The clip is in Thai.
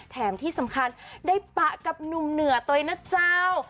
แถมที่สำคัญได้ปะกับหนุ่มเหนือตัวเองนะเจ้า